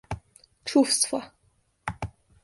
чувство